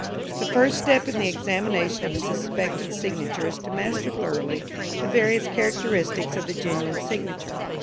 The first step in the examination of a suspected signature is to master thoroughly the various characteristics of the genuine signature.